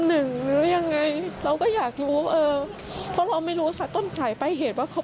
หนึ่งหรือยังไงเราก็อยากรู้ไม่รู้สักต้นสายไปเหตุว่าเขา